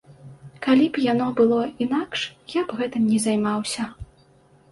Калі б яно было інакш, я б гэтым не займаўся.